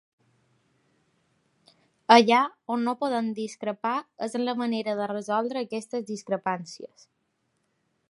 Allà on no podem discrepar és en la manera de resoldre aquestes discrepàncies.